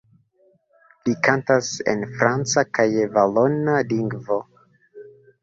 Li kantas en franca kaj valona lingvo.